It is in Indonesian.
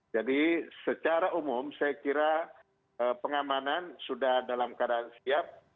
jadi secara umum saya kira pengamanan sudah dalam keadaan siap